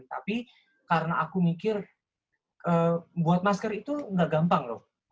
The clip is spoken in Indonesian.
tapi karena aku mikir buat masker itu nggak gampang loh